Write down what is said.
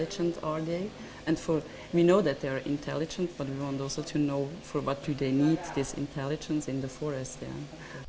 kita tahu bahwa mereka pintar tapi kita juga ingin tahu apa yang mereka butuhkan untuk pintar di hutan